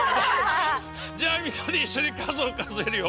じゃあみんなで一緒に数を数えるよ。